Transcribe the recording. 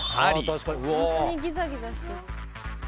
本当にギザギザしてる。